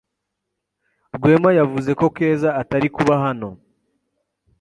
Rwema yavuze ko Keza atari kuba hano.